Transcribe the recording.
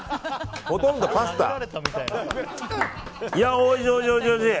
ほとんどパスタ。